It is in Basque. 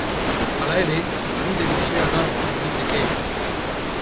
Hala ere, bide luzea dago egiteke.